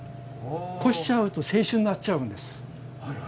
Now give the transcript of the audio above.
濾しちゃうと清酒になっちゃうんです。